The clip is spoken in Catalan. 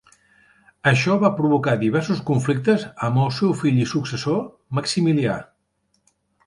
Això va provocar diversos conflictes amb el seu fill i successor, Maximilià.